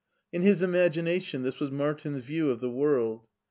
In his imagination this was Martin's view of the world.